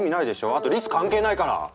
あとリス関係ないから。